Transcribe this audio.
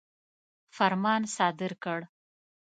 فرمان صادر کړ.